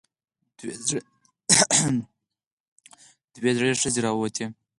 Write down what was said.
دوه زړې ښځې راووتې.